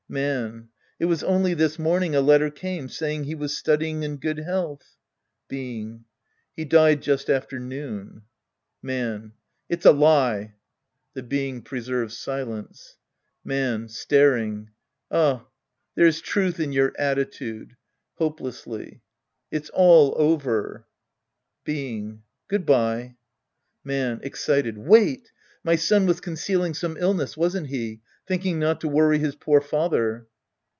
Man. It was only this morning a letter came saying he was studying in good health. Being. He died just after noon. Ind. The Priest and His Disciples 7 Man. It's a lie. {T&e Bein^^ preserves silence.) Man {staring). Ah, there's truth in your attitude. {Hopelessly^ It's all over ! Being. Good bye. Man {excited). Wait. My son was concealing some illness, wasn't he ? Thinking not to wony his poor father.